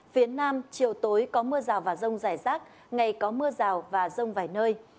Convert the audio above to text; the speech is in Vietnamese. phía nam chiều tối có mưa rào và rông rải rác ngày có mưa rào và rông vài nơi